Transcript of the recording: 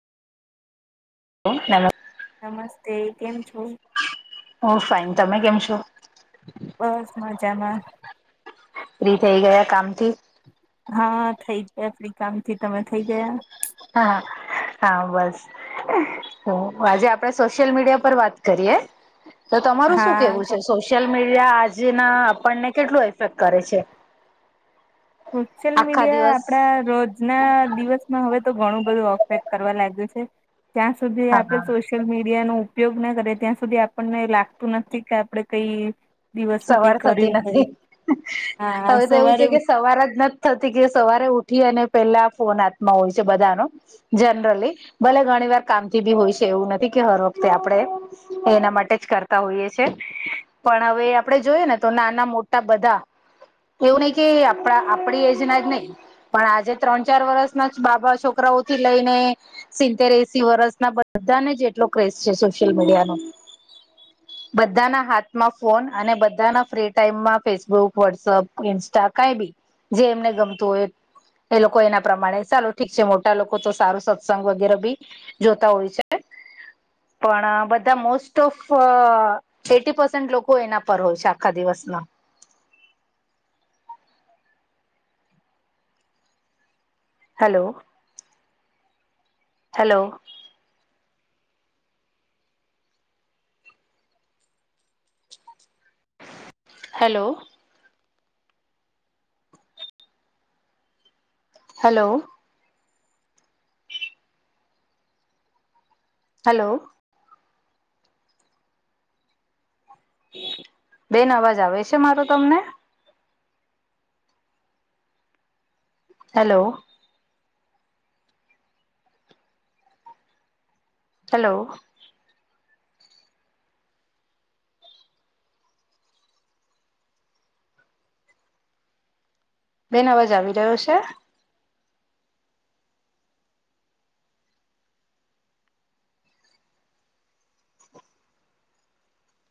Hello નમસ્તે. નમસ્તે કેમ છો? બહુ ફાઈન તમે કેમ છો? બસ મજામાં. ફ્રી થઇ ગયા કામ થી? હા થઈ ગયા ફ્રી કામથી, તમે થઈ ગયા? હા-હા-હા બસ. આજે આપડે સોશિયલ મીડિયા પર વાત કરીયે. તો તમારું શું હા કેવું છે? ચોક્કસ સોશિયલ મીડિયા આજના આપણને કેટલું એફેક્ટ કરે છે? સોશિયલ આખા મીડિયા દિવસ આપડા રોજ..... આજ ના દિવસમાં હવે તો ઘણું બધું અપડેટ કરવા લાગ્યું છે, ત્યાં સુધી આપણે... હા સોશિયલ મીડિયા નો ઉપયોગ ના કરે ત્યાં સુધી આપણને લાગતું નથી. કે આપણે કંઈ.... દિવસ માં સવાર કંઈ થતી કર્યું જ નહીં. નથી. હા, હવે તો એવું છે સવારે.... કે સવાર જ નથી થતી કે સવારે ઉઠી અને પેલા ફોન હાથમાં હોય છે, બધાનો જનરલી ભલે ઘણી વાર કામથી ભી હોય છે, એવું નથી કે હર વખતે આપણે.... એના માટે જ કરતા હોઈએ છે, પણ હવે.... આપડે જોઈએ ને તો નાના-મોટા બધા, એવું નઈ કે આપડા આપડી એજ ના જ નઈ.... પણ, આજે ત્રણ ચાર વર્ષના જ બાબા છોકરાઓ થી લઈને.... સિત્તેર એંસી વર્ષ ના બધાને જ એટલો ક્રેઝ છે, સોશિયલ મીડિયા નો... બધાના હાથમાં ફોન..... અને બધાના ફ્રી ટાઈમમાં ફેસબુક, વોટ્સઅપ, ઇન્સ્ટા કઈ બી..... જે એમને ગમતું હોય એ..... એ લોકો એના પ્રમાણે ચાલો ઠીક છે, મોટા લોકો તો સારું સત્સંગ વગેરે ભી.... જોતા હોય છે. પણ બધા મોસ્ટ ઓફ એટી પસેન્ટ કો એના પર હોય છે આખા દિવસમાં hello. Hello. Hello. Hello. Hello. બેન અવાજ આવે છે મારો તમને. હેલો. હેલો. બેન અવાજ આવી રહ્યો છે.